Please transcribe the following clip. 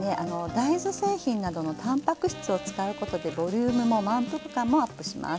大豆製品などのたんぱく質を使うことでボリュームも満腹感もアップします。